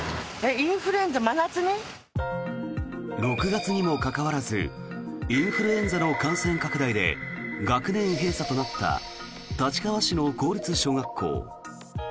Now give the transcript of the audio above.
６月にもかかわらずインフルエンザの感染拡大で学年閉鎖となった立川市の公立小学校。